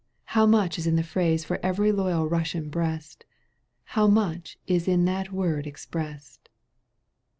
How much is in the phrase For every loyal Eussian breast ! How much is in that word expressed